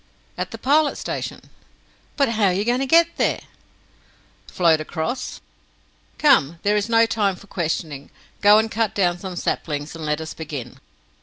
"At the Pilot Station." "But how are you going to get there?" "Float across. Come, there is not time for questioning! Go and cut down some saplings, and let us begin!"